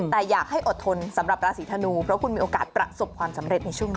แต่อยากให้อดทนสำหรับราศีธนูเพราะคุณมีโอกาสประสบความสำเร็จในช่วงนี้